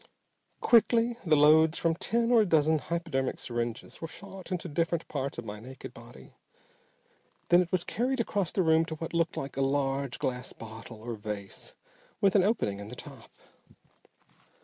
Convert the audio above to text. "Quickly the loads from ten or a dozen hypodermic syringes were shot into different parts of my naked body. Then it was carried across the room to what looked like a large glass bottle, or vase, with an opening in the top.